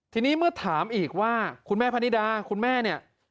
ทีนี้เมื่อถามอีกว่าคุณแม่พนิดาคุณแม่เนี่ย